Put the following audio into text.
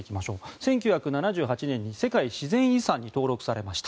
１９７８年に世界自然遺産に登録されました。